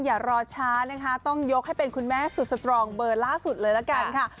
อย่ารอช้านะคะต้องยกให้เป็นคุณแม่สุดสตรองเบอร์ล่าสุดเลยละกันค่ะ